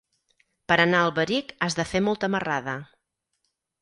Per anar a Alberic has de fer molta marrada.